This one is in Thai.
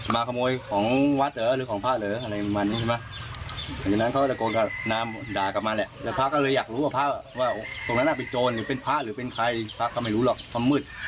มาขโมยของวัดเหรอหรือของพระเหรออะไรมันนี่ใช่ไหม